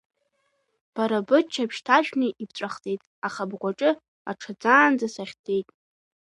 Бара быччаԥшь ҭаршәны ибҵәахӡеит, аха бгәаҿы аҽаӡаанӡа сахьӡеит.